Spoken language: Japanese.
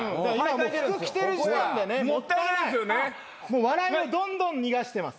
もう笑いもどんどん逃がしてます。